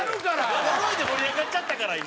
「ロロロイ」で盛り上がっちゃったから今。